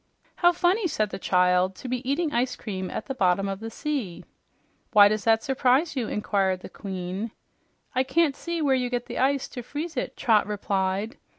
"How funny," said the child, "to be eating ice cream at the bottom of the sea." "Why does that surprise you?" inquired the Queen. "I can't see where you get the ice to freeze it," Trot replied.